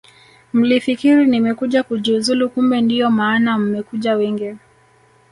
Mlifikiri nimekuja kujiuzulu kumbe ndiyo maana mmekuja wengi